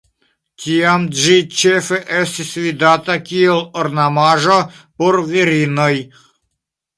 Tiam ĝi ĉefe estis vidata kie ornamaĵo por virinoj.